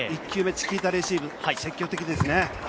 チキータレシーブ、積極的ですね。